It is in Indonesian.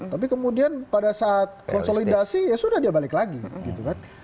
tapi kemudian pada saat konsolidasi ya sudah dia balik lagi gitu kan